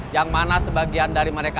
yang mana sebagian dari mereka